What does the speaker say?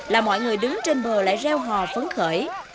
là mọi người đứng trên bờ lại reo hò phấn khởi